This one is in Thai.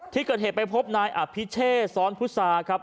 ที่เกิดเหตุไปพบนายอภิเชษซ้อนพุษาครับ